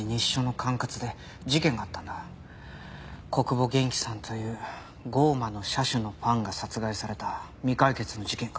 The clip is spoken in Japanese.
小久保元気さんという『降魔の射手』のファンが殺害された未解決の事件が。